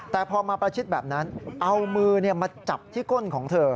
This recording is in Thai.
แต่พอมาประชิดแบบนั้นเอามือมาจับที่ก้นของเธอ